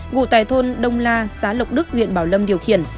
ngụ tài thôn đông la xá lộc đức huyện bảo lâm điều khiển